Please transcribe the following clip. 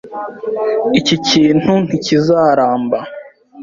Iki kintu ntikizaramba.